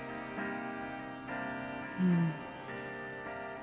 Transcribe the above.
うん。